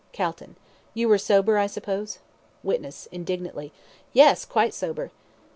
CALTON: You were sober, I suppose? WITNESS (indignantly): Yes; quite sober.